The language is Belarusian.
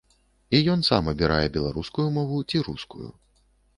І ён сам абірае беларускую мову ці рускую.